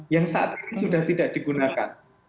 yang saat ini sudah tidak digunakan